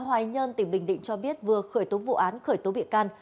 hòa nhân tỉnh bình định cho biết vừa khởi tố vụ án khởi tố bị can